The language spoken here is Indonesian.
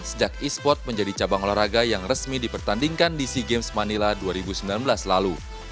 sejak e sport menjadi cabang olahraga yang resmi dipertandingkan di sea games manila dua ribu sembilan belas lalu